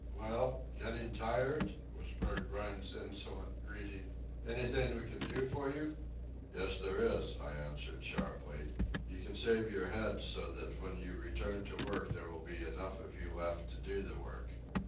"Well, getting tired?" was Bert Rhine's insolent greeting. "Anything we can do for you?" "Yes, there is," I answered sharply. "You can save your heads so that when you return to work there will be enough of you left to do the work."